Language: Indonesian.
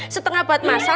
setengah buat masal